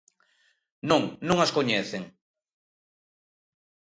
Non, non as coñecen.